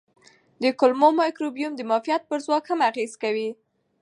د کولمو مایکروبیوم د معافیت پر ځواک هم اغېز کوي.